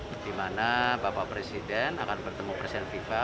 dimana bapak presiden akan bertemu presiden viva